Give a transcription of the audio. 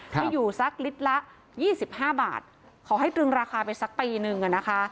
ให้อยู่สักลิตรละ๒๕บาทขอให้ตรึงราคาไปสักปีนึงอะนะคะ